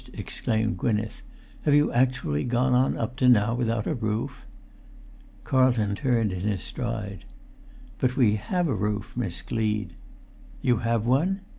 exclaimed Gwynneth. "Have you actually gone on up to now without a roof?" Carlton turned in his stride. "But we have a roof, Miss Gleed!" "You have one?"